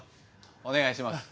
お願いします。